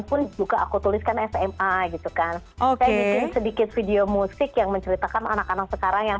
pun juga aku tuliskan sma gitu kan kayak bikin sedikit video musik yang menceritakan anak anak sekarang yang